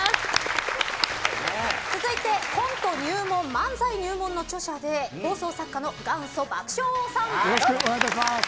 続いてコント入門・漫才入門の著者で放送作家の元祖爆笑王さん。